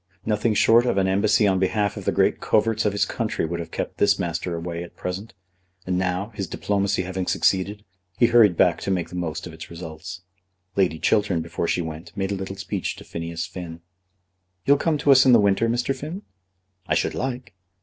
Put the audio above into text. Nothing short of an embassy on behalf of the great coverts of his country would have kept this master away at present; and now, his diplomacy having succeeded, he hurried back to make the most of its results. Lady Chiltern, before she went, made a little speech to Phineas Finn. "You'll come to us in the winter, Mr. Finn?" "I should like."